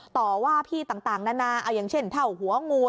ต่อว่าพี่ต่างนานาเอาอย่างเช่นเท่าหัวงัว